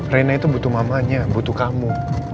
rena itu butuh mamanya butuh kamu